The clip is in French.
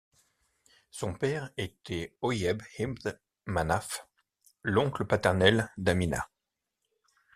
Son père était Ohayb ibn Manaf, l'oncle paternel d'Amina.